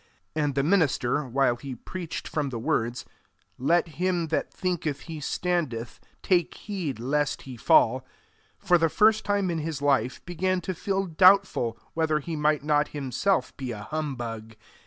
And the minister, while he preached from the words, Let him that thinketh he standeth take heed lest he fall, for the first time in his life began to feel doubtful whether he might not himself be a humbug.